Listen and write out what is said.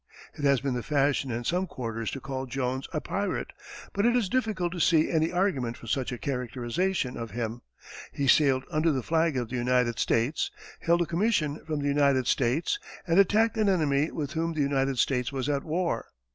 It has been the fashion in some quarters to call Jones a pirate, but it is difficult to see any argument for such a characterization of him. He sailed under the flag of the United States, held a commission from the United States, and attacked an enemy with whom the United States was at war.